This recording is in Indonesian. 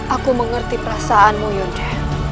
aku mengerti perasaanmu yunda